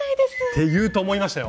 ていうと思いましたよ。